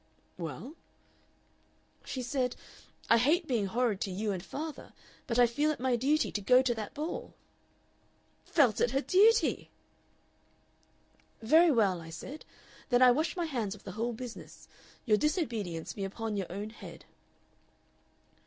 '" "Well?" "She said, 'I hate being horrid to you and father, but I feel it my duty to go to that ball!'" "Felt it her duty!" "'Very well,' I said, 'then I wash my hands of the whole business. Your disobedience be upon your own head.